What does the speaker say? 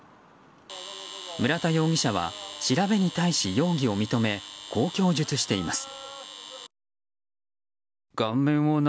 村田容疑者は調べに対し容疑を認めこう供述しています。